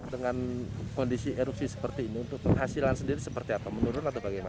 dengan kondisi erupsi seperti ini untuk penghasilan sendiri seperti apa menurun atau bagaimana